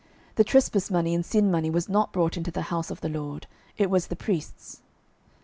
12:012:016 The trespass money and sin money was not brought into the house of the LORD: it was the priests'.